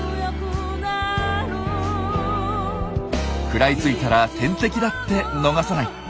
食らいついたら天敵だって逃さない。